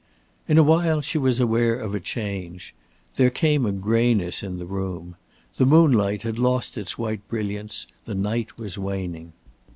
In a while she was aware of a change. There came a grayness in the room. The moonlight had lost its white brilliance, the night was waning.